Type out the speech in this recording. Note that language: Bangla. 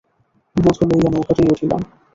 বধূ লইয়া নৌকাতেই উঠিলাম।